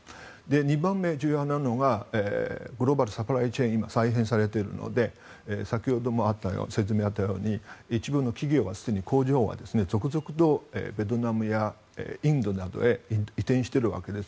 ２番目に重要なのがグローバルサプライチェーンが今、再編されているので先ほども説明があったように一部の企業すでに工場が続々とベトナムやインドなどへ移転しているわけです。